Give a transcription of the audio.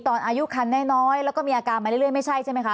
ตอนอายุคันน้อยแล้วก็มีอาการมาเรื่อยไม่ใช่ใช่ไหมคะ